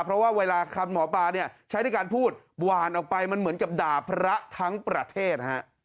เพราะว่าเวลาคำหมอปลาเนี่ยใช้ในการพูดหวานออกไปมันเหมือนกับด่าพระทั้งประเทศฮะ